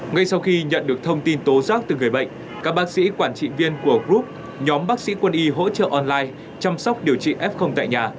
ngay sau khi nhận được thông tin tố giác từ người bệnh các bác sĩ quản trị viên của group nhóm bác sĩ quân y hỗ trợ online chăm sóc điều trị f tại nhà